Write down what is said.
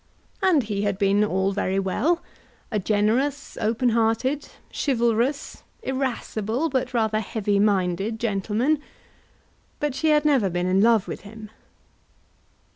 And he had been all very well, a generous, open hearted, chivalrous, irascible, but rather heavy minded gentleman; but she had never been in love with him.